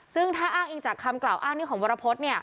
ซึ่งถ้าอ้างอิงจากคำกล่าวอ้างนี้ของวรพฤษ